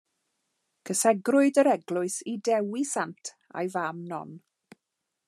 Cysegrwyd yr eglwys i Dewi Sant a'i fam Non.